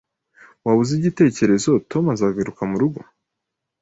Waba uzi igitekerezo Tom azagaruka murugo?